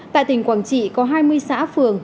tại tỉnh quảng trị có hai mươi xã phường